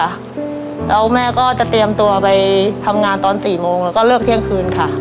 แล้วแม่ก็จะเตรียมตัวไปทำงานตอน๔โมงแล้วก็เลิกเที่ยงคืนค่ะ